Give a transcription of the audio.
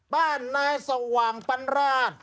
บ้านนายสว่างปันราช